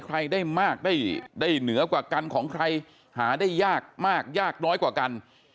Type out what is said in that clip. ใครได้มากได้เหนือกว่ากันของใครหาได้ยากมากยากน้อยกว่ากัน